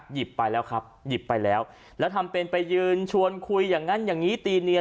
หยิบไปแล้วครับหยิบไปแล้วแล้วทำเป็นไปยืนชวนคุยอย่างนั้นอย่างนี้ตีเนียน